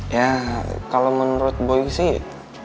ya kalau menurut boy sih